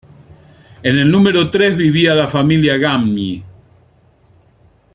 En el número tres vivía la familia Gamyi.